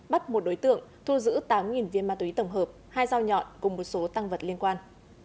bắt một đối tượng thu giữ tám viên ma túy tổng hợp hai dao nhọn cùng một số tăng vật liên quan